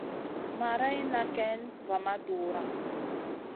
Marayna kayn va ma dura.